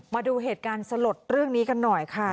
มาดูเหตุการณ์สลดเรื่องนี้กันหน่อยค่ะ